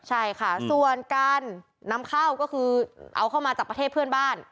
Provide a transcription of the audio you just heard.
ใช่ค่ะส่วนการนำเข้าก็คือเอาเข้ามาจากประเทศเพื่อนบ้าน